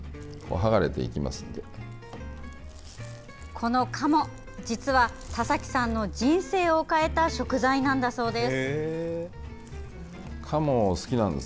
この鴨、実は田崎さんの人生を変えた食材なんだそうです。